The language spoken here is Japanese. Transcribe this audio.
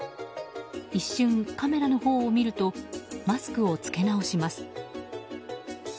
一瞬カメラのほうを見るとマスクを着け直します。